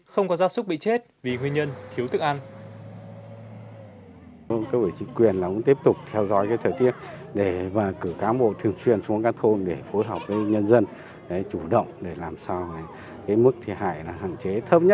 không có gia súc bị chết vì nguyên nhân thiếu thức ăn